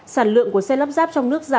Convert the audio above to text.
sản lượng của xe lắp ráp trong nước